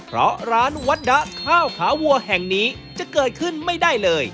เพราะร้านวัตดะข้าวขาวัวแห่งนี้จะเกิดขึ้นไม่ได้เลย